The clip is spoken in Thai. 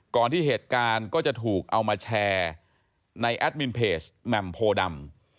ที่เหตุการณ์ก็จะถูกเอามาแชร์ในแอดมินเพจแหม่มโพดำ